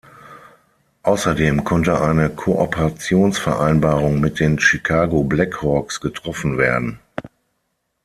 Außerdem konnte eine Kooperationsvereinbarung mit den Chicago Blackhawks getroffen werden.